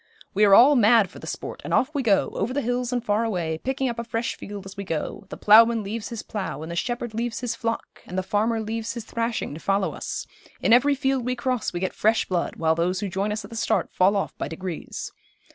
We are all mad for the sport, and off we go, over the hills and far away, picking up a fresh field as we go. The ploughman leaves his plough, and the shepherd leaves his flock, and the farmer leaves his thrashing, to follow us; in every field we cross we get fresh blood, while those who join us at the start fall off by degrees.